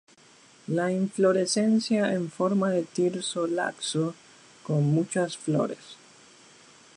La inflorescencia en forma de tirso laxo, con muchas flores.